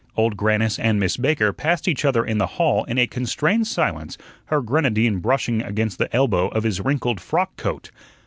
Old Grannis and Miss Baker passed each other in the hall in a constrained silence, her grenadine brushing against the elbow of his wrinkled frock coat.